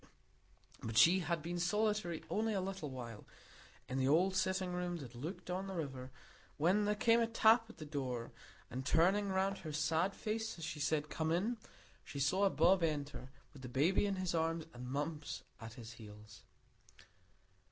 But she had been solitary only a little while in the old sitting room that looked on the river, when there came a tap at the door, and turning round her sad face as she said "Come in," she saw Bob enter, with the baby in his arms and Mumps at his heels.